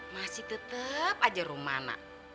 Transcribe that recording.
masih tetep aja rumana